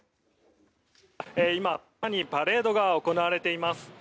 今、まさにパレードが行われています。